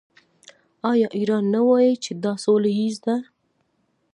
آیا ایران نه وايي چې دا سوله ییز دی؟